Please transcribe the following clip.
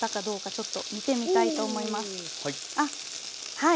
はい。